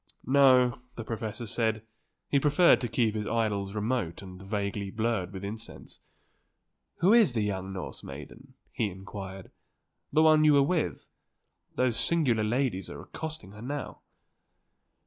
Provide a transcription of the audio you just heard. No, the professor said, he preferred to keep his idols remote and vaguely blurred with incense. "Who is the young Norse maiden?" he inquired; "the one you were with. Those singular ladies are accosting her now."